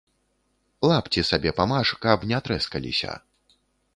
Лапці сабе памаж, каб не трэскаліся.